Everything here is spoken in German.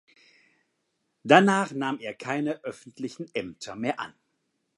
Danach nahm er keine öffentlichen Ämter mehr an.